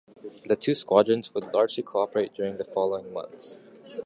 The two squadrons would largely cooperate during the following months.